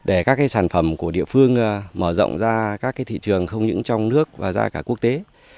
để các sản phẩm của địa phương mở rộng ra các thị trường không những trong nước và ra cả quốc tế